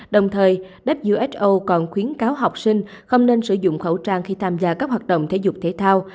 đồng thời who còn khuyến cáo học sinh không nên sử dụng khẩu trang khi tham gia các hoạt động thể dục thể thao